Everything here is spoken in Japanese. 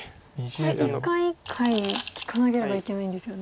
これ一回一回利かなければいけないんですよね。